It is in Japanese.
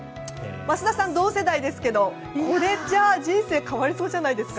桝田さん、同世代ですけど人生変わりそうじゃないですか？